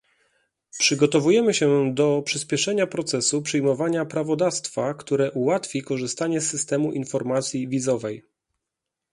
Przygotowujemy się do przyspieszenia procesu przyjmowania prawodawstwa, które ułatwi korzystanie z systemu informacji wizowej